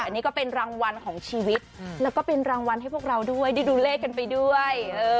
อันนี้ก็เป็นรางวัลของชีวิตแล้วก็เป็นรางวัลให้พวกเราด้วยได้ดูเลขกันไปด้วย